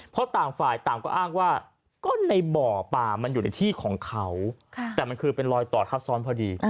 เพราะต่างฝ่ายต่างก็อ้างว่าก็ในบ่อป่ามันอยู่ในที่ของเขาแต่มันคือเป็นรอยต่อทับซ้อนพอดี